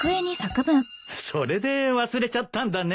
それで忘れちゃったんだね。